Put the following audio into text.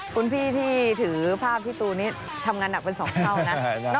คุณพี่ที่ถือภาพพี่ตูนนี้ทำงานหนักเป็น๒เท่านะ